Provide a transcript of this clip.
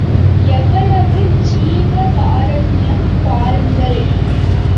எவ்வளவு ஜீவகாருண்யம் பாருங்கள்!